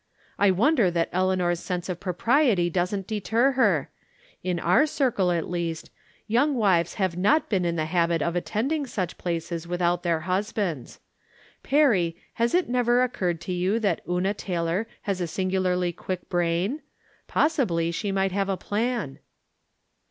" I wonder that Eleanor's sense of propriety doesn't deter her. In our circle, at least, young wives have not been in the habit of attending such places without their husbands. Perry, has it never occurred to you that Una Taylor has a singularly quick brain ? Possibly she might have a plan."